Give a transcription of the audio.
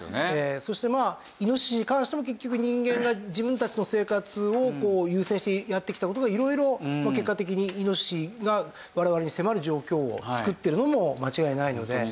そしてまあイノシシに関しても結局人間が自分たちの生活を優先してやってきた事が色々結果的にイノシシが我々に迫る状況を作っているのも間違いないので。